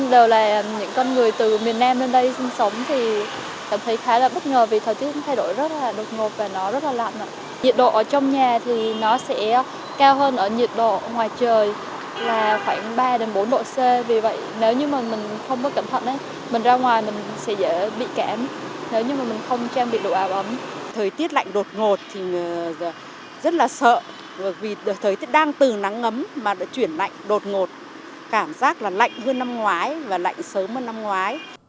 rất là sợ vì thời tiết đang từng nắng ấm mà đã chuyển lạnh đột ngột cảm giác là lạnh hơn năm ngoái và lạnh sớm hơn năm ngoái